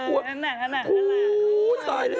โอ้โฮตายเล้ว